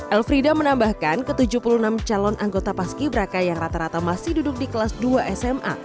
elfrida menambahkan ke tujuh puluh enam calon anggota paski braka yang rata rata masih duduk di kelas dua sma